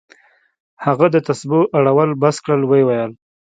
هغه د تسبو اړول بس كړل ويې ويل.